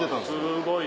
すごい。